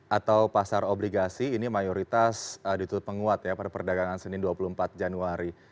atau pasar obligasi ini mayoritas ditutup penguat ya pada perdagangan senin dua puluh empat januari